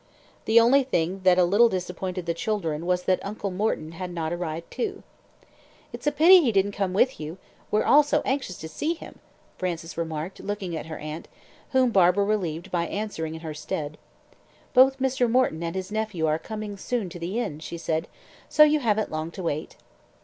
The only thing that a little disappointed the children was that "Uncle Morton" had not arrived too. "It's a pity he didn't come with you, we're all so anxious to see him," Frances remarked, looking at her aunt, whom Barbara relieved by answering in her stead. "Both Mr. Morton and his nephew are coming soon to the inn," she said, "so you haven't long to wait."